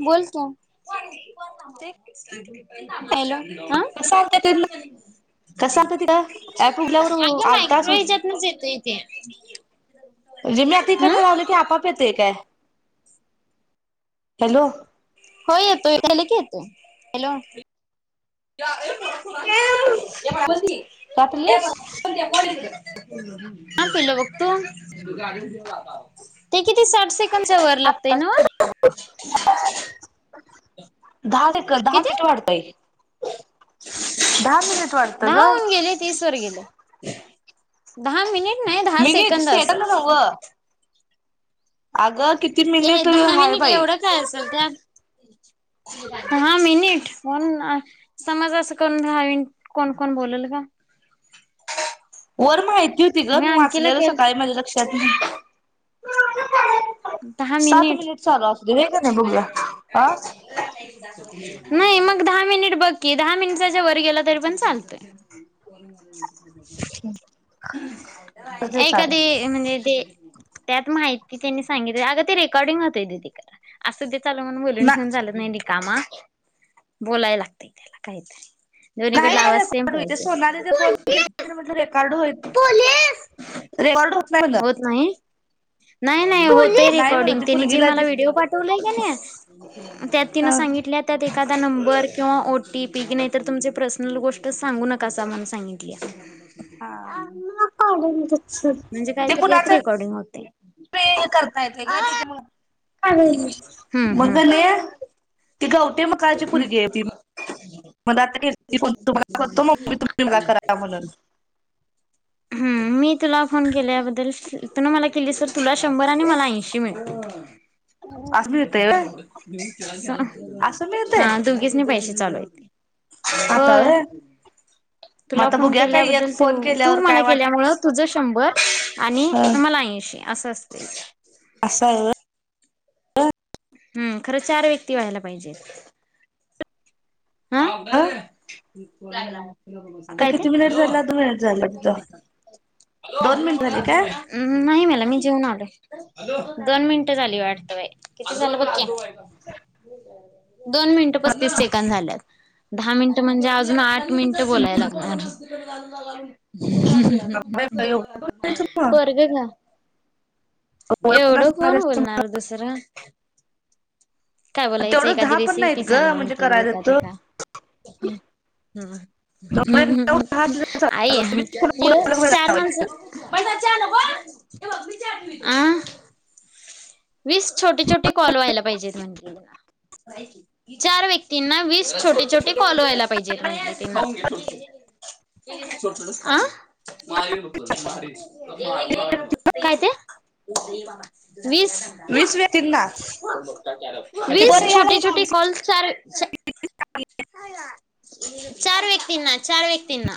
[inaudible] बोलतो ते हॅलो हा [unintelligible] कसा आलता तिथं या उघल्यावर अगं आलतास मायक्रो ह्याच्यातनच येतोय ते म्हणजे मी आता हम्म इकडे लावला की आपआप ते का आहे हॅलो हो येतोय की केले की येतो हॅलो, [inaudible] का [inaudible] चहा पिलीस पहिल बघतो. ते किती साठ सेकंडच्या वर लागतेय नव. दहा दहा सेकंद दहा सेकंद वाढतंय. दहा होऊन गेले तीस वर गेले दहा मिनिट. नाही दहा मिनिट सेकंद असेल. नव्ह अगं किती मिनिट हाय बाई. तुझा. दहा मिनिट फोन आन. समज असं करून दाहवीन कोण कोण बोलेल का? वर माहिती होती ग मी अंकीला वाचलेलं केल सकाळी माझ्या लक्षात नाही. सात मिनिट चालू अस व्हय क नाही. [inaudible] नाही मग दहा मिनिट बघ की, दहा मिनिटाच्या वर गेला तरी पण चालतंय. [inaudible] हम्म, एखादी म्हणजे ते. त्यात माहिती त्यांनी सांगितली अगं ते रेकॉर्डिंग होतंय ते तिकड. असं ते चालू म्हणून बोलून ना ठेऊून झालंत नाही रिकामा. बोलायला लागतंय त्याला काहीतरी नाही दोन्हीकडला आवाज सेम पाहिजे. अगं माझं रेकॉर्ड हो पोलीस रेकॉर्ड होत नाही. म्हणलं नाही. नाही नाही होतय पोलीस नाही म्हणलं रेकॉर्डिंग ती त्याने जे पोरगीला मला ते व्हिडिओ पाठवलाय का नाही. त्यात तिनं अ सांगितल्यात. त्यात एखादा नंबर किंवा ओ टी पी की नाहीतर तुमची पर्सनल गोष्ट सांगू नका असं आम्हाला सांगितली. [unintelligible] म्हणजे काहीतरी त्यात रेकॉर्डिंग होते. पे [unintelligible] करता येते का हम्म मघ हम्म नाही. ती कवठेमंकाळची पोरगी होती. मग आताम [inaudible] करतो मग मी तुम्ही करा म्हणून हम्म, मी तुला फोन केला बदल तु नी मला केलीस. तुला शंभर आणि मला ऐंशी मिळत्यात. [inaudible] सा असं मिळतंय हा, तुम्ही. किसने पैसे चालत हाय आता होय. व्हय मग तुला आता फोन बघूया काय एक केल्याबद्दल तू फोन तू केल्यावर मला काय वाट केल्यामुळे. तुझ शंभर आणि अ मला ऐंशी असं असते. अससं व्हय. हम्, खरं चार व्यक्ती व्हायला पाहिजेत. हा अ बरंय [inaudible] आता काय ते किती मिनिट हॅलो झाला दोन मिनिट झाले वाटतं दोन मिनिट बोल [unintelligible] झाले आजोबा काय आहेत अ हम, नाही मला मी जेऊन आलोय दोन मिनटं झाली वाटतं बाई किती झालं बघ की. दोन मिनिटं पस्तीस सेकंद झाल्यात. दहा मिनिटं म्हणजे अजून आठ मिनिटं बोलाय लागणार. पोरगं ना! ओळख एवढं कोण नसणाऱ्याचं बोलणार दुसरं! काय बोलायचं, तेवढं एखादी दहा पण नाहीत रेसिपी ग सांगा म्हणजे म्हणते मी करायला एकाद तर का! तेवढं एक नऊ दहा आई हे वीस कोणा येऊ कोणाला चार लावायचे माणसं. [unintelligible] वीस छोटे छोटे कॉल व्हायला पाहिजेत म्हटंली मला. चार व्यक्तींना वीस छोटे छोटे काॅल व्हायला पाहिजेलं म्हणली ती. [unintelligible] काय ते! वीस! वीस व्यक्तींना ते वीस बरं छोटे यायला छोटे कॉल्स चार [unintelligible] चार व्यक्तींना, चार व्यक्तींना.